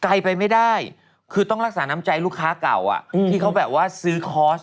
ไปไม่ได้คือต้องรักษาน้ำใจลูกค้าเก่าอ่ะที่เขาแบบว่าซื้อคอร์ส